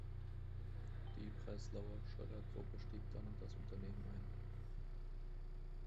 Die Breslauer Schoeller-Gruppe stieg dann in das Unternehmen ein.